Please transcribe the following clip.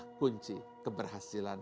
keputusan dan keberhasilan